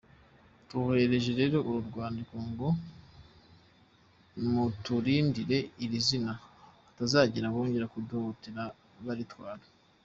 Tuboherereje rero uru rwandiko ngo muturindire iri zina hatazagira abongera kuduhohotera baritwara.